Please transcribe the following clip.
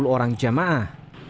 enam puluh orang jemaah